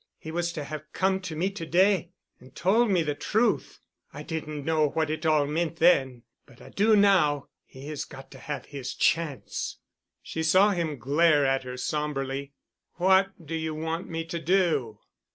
He was to have come to me to day, and told me the truth—I didn't know what it all meant then. But I do now. He has got to have his chance." She saw him glare at her somberly. "What do you want me to do?"